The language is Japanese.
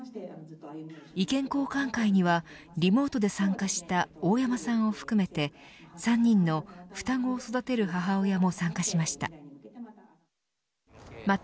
意見交換会にはリモートで参加した大山さんを含めて３人の、双子を育てる母親も参加しました。